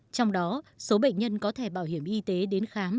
trong đó số bệnh nhân có thẻ bảo hiểm y tế đến khám